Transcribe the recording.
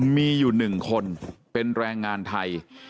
มีอยู่๑คนเป็นแรงงานไทย